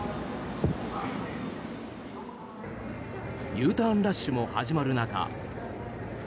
Ｕターンラッシュも始まる中北